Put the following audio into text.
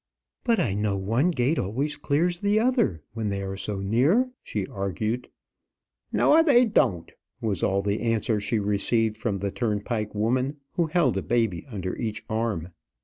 "But I know one gate always clears the other, when they are so near," she argued. "Noa, they doant," was all the answer she received from the turnpike woman, who held a baby under each arm.